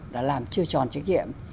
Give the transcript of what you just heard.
đã làm chưa tròn trách nhiệm